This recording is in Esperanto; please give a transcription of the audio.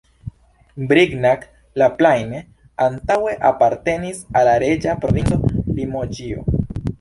Brignac-la-Plaine antaŭe apartenis al la reĝa provinco Limoĝio.